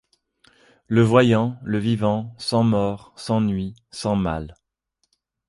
Le voyant, le vivant, sans mort, sans nuit, sans mal